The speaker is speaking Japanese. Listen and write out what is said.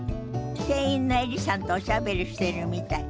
店員のエリさんとおしゃべりしてるみたい。